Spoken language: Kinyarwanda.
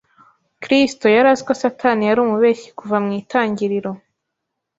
Kristo yari azi ko Satani yari umubeshyi kuva mu itangiriro